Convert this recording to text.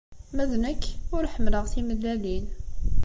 Ma d nekk, ur ḥemmleɣ timellalin.